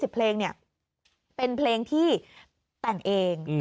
เพลงเนี่ยเป็นเพลงที่แต่งเอง